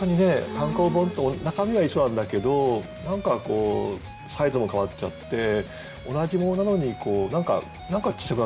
単行本と中身は一緒なんだけど何かサイズも変わっちゃって同じ物なのに何かちっちゃくなっちゃったっていうね